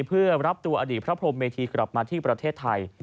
เพื่อรับตัวอดีตพระพรมเมธีกลับมาที่ประเทศไทย